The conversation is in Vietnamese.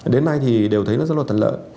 đến nay thì đều thấy nó rất là thuận lợi